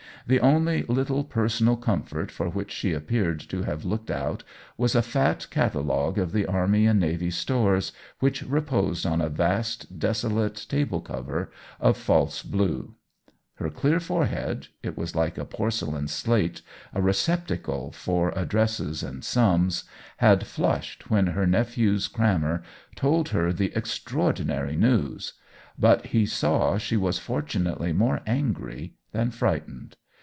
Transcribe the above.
The only little personal com fort for which she appeared to have looked out was a fat catalogue of the Army and Navy Stores, which reposed on a vast, desolate table cover of false blue. Her clear forehead — it was like a porcelain slate, a receptacle for addresses and sums — had flushed when her nephew's crammer told her the extraordinary news; but he saw she was fortunately more angry than l66 OWEN WINGRAVE frightened.